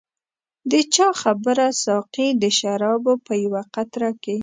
د چا خبره ساقي د شرابو په یوه قطره کې.